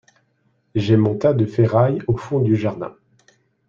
J'ai mon tas de ferrailles au fond du jardin.